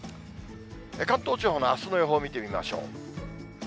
関東地方のあすの予報見てみましょう。